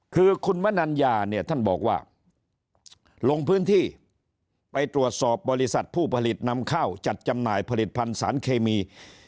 คือคุณมนัญญาเนี่ยท่านบอกว่าลงพื้นที่ไปตรวจสอบบริษัทผู้ผลิตนำเข้าจัดจำหน่ายผลิตภัณฑ์สารเคมี